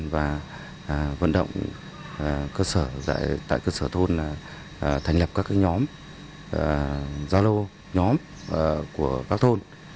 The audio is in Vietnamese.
và vận động cơ sở tại cơ sở thôn thành lập các nhóm giao lô nhóm của các thôn